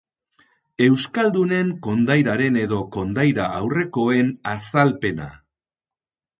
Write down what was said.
Euskaldunen kondairaren edo kondaira aurrekoen azalpena.